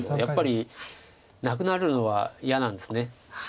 やっぱりなくなるのは嫌なんですね。